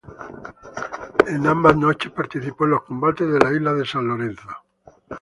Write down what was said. En ambas noches participó en los combates de la isla San Lorenzo.